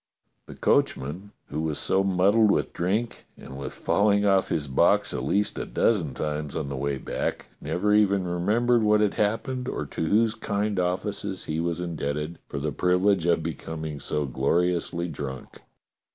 The coachman, who was so muddled with drink and wath falling off his box at least a dozen times on the way back, never even remembered what had happened or to whose kind offices he was indebted for the privilege of becoming so gloriously drunk.